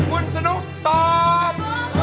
คุณสนุกตอบ